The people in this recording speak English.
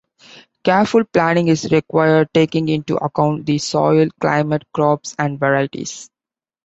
Careful planning is required, taking into account the soil, climate, crops, and varieties.